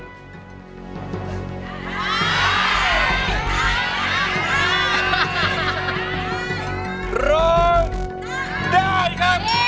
จริงดีครับ